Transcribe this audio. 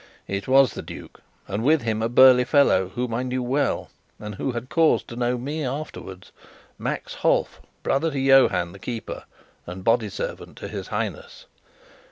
It was the duke; and with him a burly fellow whom I knew well, and who had cause to know me afterwards Max Holf, brother to Johann the keeper, and body servant to his Highness.